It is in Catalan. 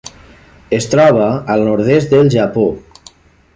Es troba al nord-est del Japó.